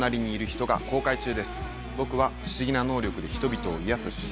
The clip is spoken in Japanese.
僕は不思議な能力で人々を癒やす主人